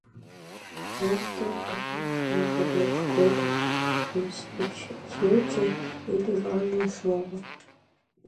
Мне вдруг казалось, что я забыл что-то, какой-то случай или важное слово.